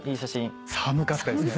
寒かったですね。